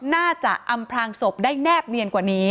อำพลางศพได้แนบเนียนกว่านี้